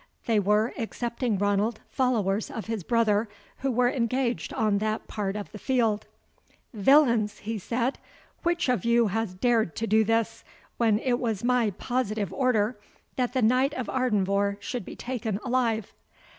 They were, excepting Ranald, followers of his brother who were engaged on that part of the field, "Villains!" he said, "which of you has dared to do this, when it was my positive order that the Knight of Ardenvohr should be taken alive?"